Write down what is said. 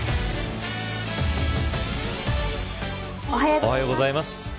おはようございます。